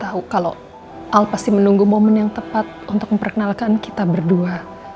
tahu kalau al pasti menunggu momen yang tepat untuk memperkenalkan kita berdua